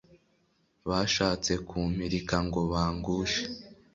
bashatse kumpirika ngo bangushe